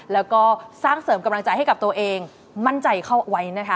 แล้วก็สร้างเสริมกำลังใจให้กับตัวเองมั่นใจเข้าไว้นะคะ